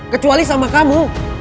kecuali sama kamu